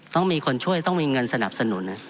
ต้องมีคนช่วยต้องมีเงินสนับสนุน